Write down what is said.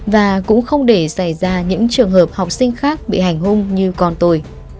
và cũng không để xảy ra những trường hợp học sinh khác bị hành hung như con tôi